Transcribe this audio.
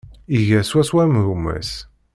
Iga swaswa am gma-s.